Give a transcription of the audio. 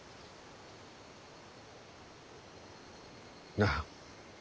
なあ。